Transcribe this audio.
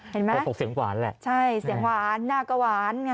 เห็นไหมเสียงหวานแหละใช่เสียงหวานหน้าก็หวานไง